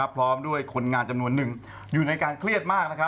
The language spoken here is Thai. พร้อมด้วยคนงานจำนวนหนึ่งอยู่ในการเครียดมาก